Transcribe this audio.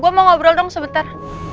gue mau ngobrol dong sebentar